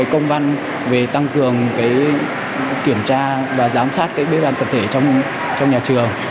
công văn về tăng cường kiểm tra và giám sát bếp ăn thực thể trong nhà trường